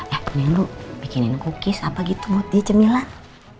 eh nenu bikinin cookies apa gitu mau dicemilang